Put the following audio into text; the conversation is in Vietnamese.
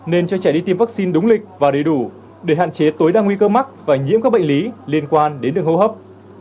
nên cho trẻ đi tiêm vaccine đúng lịch và đầy đủ để hạn chế tối đa nguy cơ mắc và nhiễm các bệnh lý liên quan đến đường hô hấp